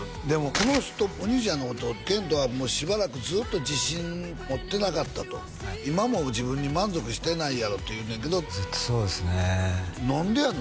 この人お兄ちゃんのこと遣都はしばらくずっと自信持ってなかったと今も自分に満足してないやろうと言うねんけどずっとそうですね何でやの？